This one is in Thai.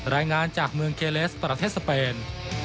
รายงานจากเมืองเกเลสประเทศสเปน